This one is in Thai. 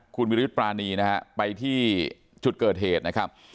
คุณวิรยุทธ์ปรานีนะฮะไปที่จุดเกิดเหตุนะครับ